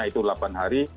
itu lapan hari